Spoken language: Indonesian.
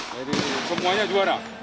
jadi semuanya juara